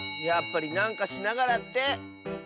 やっぱりなんかしながらって。